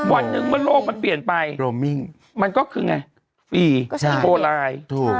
วันหนึ่งเมื่อโลกมันเปลี่ยนไปโรมมิ่งมันก็คือไงฟรีโปรไลน์ถูก